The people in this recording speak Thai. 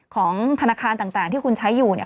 ของธนาคารต่างที่คุณใช้อยู่เนี่ย